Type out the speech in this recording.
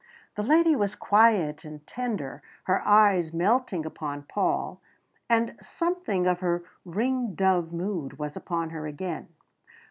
The lady was quiet and tender, her eyes melting upon Paul, and something of her ring dove mood was upon her again.